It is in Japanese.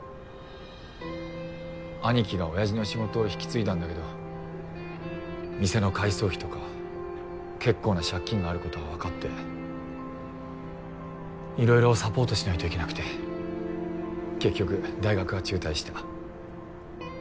兄貴が親父の仕事を引き継いだんだけど店の改装費とか結構な借金があることが分かって色々サポートしないといけなくて結局大学は中退した。